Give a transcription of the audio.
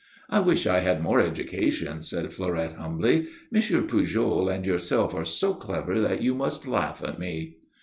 "I wish I had more education," said Fleurette, humbly. "M. Pujol and yourself are so clever that you must laugh at me."